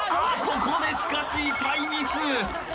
ここでしかし痛いミス